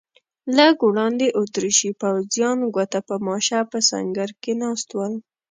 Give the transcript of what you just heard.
لږ وړاندې اتریشي پوځیان ګوته په ماشه په سنګر کې ناست ول.